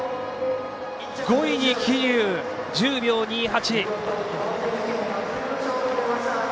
５位に桐生、１０秒２８。